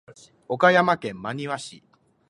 岡山県真庭市